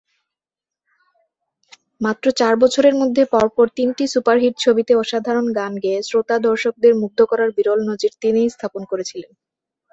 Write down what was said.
মাত্র চার বছরের মধ্যে পর পর তিনটি সুপারহিট ছবিতে অসাধারণ গান গেয়ে শ্রোতা-দর্শকদের মুগ্ধ করার বিরল নজির তিনিই স্থাপন করেছিলেন।